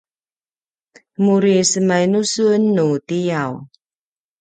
muri semainu sun nu tiyaw?